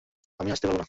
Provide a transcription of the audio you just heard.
আমি আসতে পারবো না।